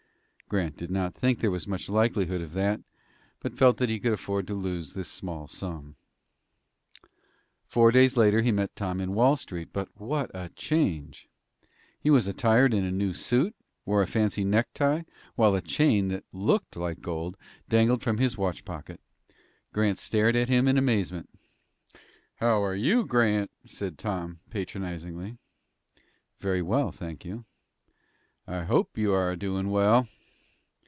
Grant did not think there was much likelihood of that, but felt that he could afford to lose this small sum. Four days later he met Tom in Wall Street. But what a change! He was attired in a new suit, wore a fancy necktie, while a chain, that looked like gold, dangled from his watch pocket. Grant stared at him in amazement. "How are you, Grant?" said Tom, patronizingly. "Very well, thank you." "I hope you are a doin' well."